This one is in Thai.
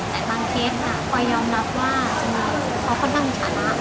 แต่บางเคสก่อสงมัติจะคอยย่อนรับว่าอาจารย์พอดามอยู่ฐานะ